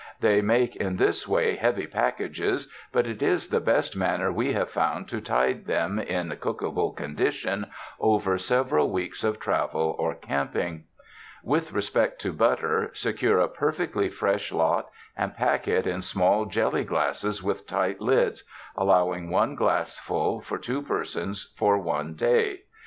They make in this way heavy packages, but it is the best manner we have found to tide them, in cookable condition, over several weeks of travel or camping. With respect to butter, secure a perfectly fresh lot and pack it in small jelly glasses with tight lids, allowing one glassful for two persons for one day.